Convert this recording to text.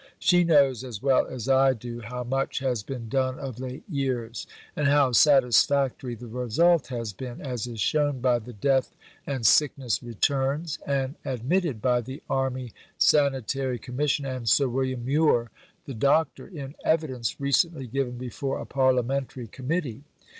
She knows as well as I do how much has been done of late years and how satisfactory the result has been, as is shown by the death and sickness returns, and admitted by the Army Sanitary Commission and Sir William Muir (the doctor) in evidence recently given before a Parliamentary Committee.